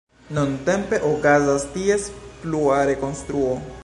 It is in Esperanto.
Nuntempe okazas ties plua rekonstruo.